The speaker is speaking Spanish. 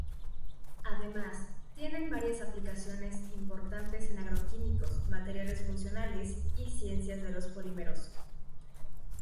Además, tienen varias aplicaciones importantes en agroquímicos, materiales funcionales y ciencias de los polímeros.